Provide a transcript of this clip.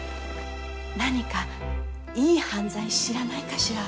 何かいい犯罪知らないかしら。